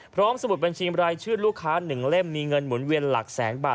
พร้อมสมุดเป็นชีวิตรายชื่อลูกค้าหนึ่งเล่มมีเงินหมุนเวียนหลักแสงบาท